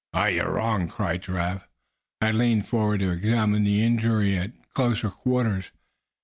"You're wrong!" cried Giraffe, who had leaned forward to examine the injury at closer quarters.